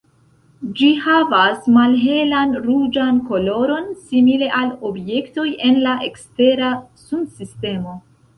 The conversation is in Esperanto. Ĝi havas malhelan ruĝan koloron, simile al objektoj en la ekstera Sunsistemo.